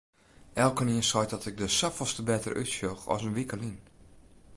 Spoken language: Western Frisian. Elkenien seit ek dat ik der safolleste better útsjoch as in wike lyn.